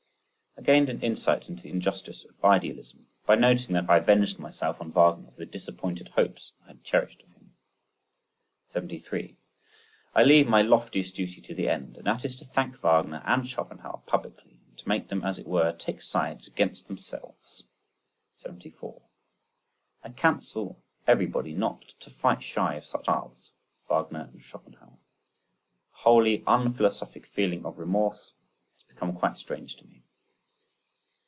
I gained an insight into the injustice of idealism, by noticing that I avenged myself on Wagner for the disappointed hopes I had cherished of him. 73. I leave my loftiest duty to the end, and that is to thank Wagner and Schopenhauer publicly, and to make them as it were take sides against themselves. 74. I counsel everybody not to fight shy of such paths (Wagner and Schopenhauer). The wholly unphilosophic feeling of remorse, has become quite strange to me.